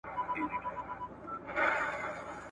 نوم به مي نه ستا نه د زمان په زړه کي پاته وي ..